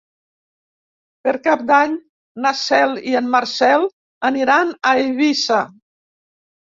Per Cap d'Any na Cel i en Marcel aniran a Eivissa.